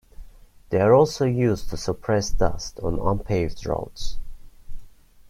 They are also used to suppress dust on unpaved roads.